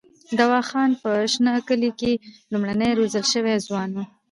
دوا خان په شنه کلي کې لومړنی روزل شوی ځوان وو.